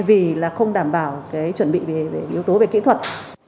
vì là không đảm bảo cái chuẩn bị về yếu tố về kỹ thuật